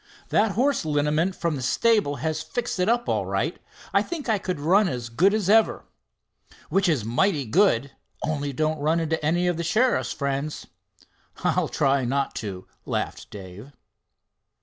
"That horse liniment from the stable has fixed it up all right. I think I could run as good as ever." "Which is mighty good—only don't run into any of the sheriff's friends." "I'll try not to," laughed Dave.